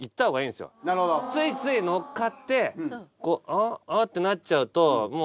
ついつい乗っかって「あっあっ」ってなっちゃうともう。